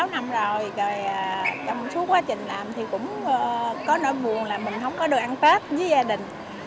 hai mươi sáu năm rồi trong suốt quá trình làm thì cũng có nỗi buồn là mình không có được ăn tết với gia đình